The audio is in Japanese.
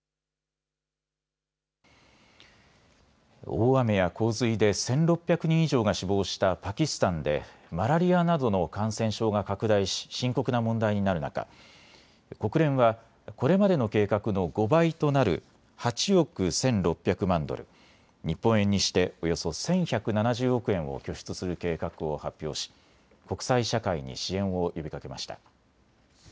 大雨や洪水で１６００人以上が死亡したパキスタンでマラリアなどの感染症が拡大し深刻な問題になる中、国連はこれまでの計画の５倍となる８億１６００万ドル、日本円にしておよそ１１７０億円を拠出する計画を発表し国際社会に支援を呼びかけました。